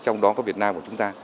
trong đó có việt nam của chúng ta